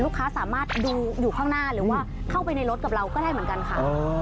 สามารถดูอยู่ข้างหน้าหรือว่าเข้าไปในรถกับเราก็ได้เหมือนกันค่ะ